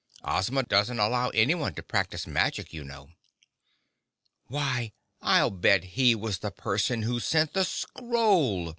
Ozma doesn't allow anyone to practice magic, you know." "Why, I'll bet he was the person who sent the scroll!"